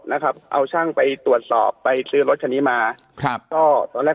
นะครับเอาช่างไปตรวจสอบไปซื้อรถคันนี้มาครับก็ตอนแรก